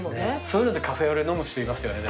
そういうのでカフェオレ飲む人いますよね。